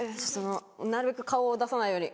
なるべく顔を出さないように。